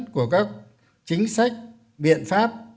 của các chính sách biện pháp